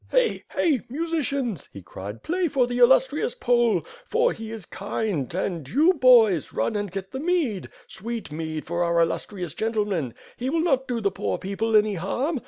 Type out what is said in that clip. "Hey! Hey! musicians," he cried, "play for the illustrious Pole, or he is kind; and you boys, run and get the mead, sweet mead, for our illustrious gentleman. He will not do the poor people any harm.